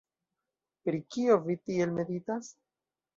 Pri kio vi tiel meditas?